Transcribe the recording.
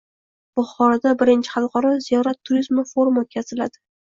Buxoroda I xalqaro “Ziyorat turizmi” forumi oʻtkaziladi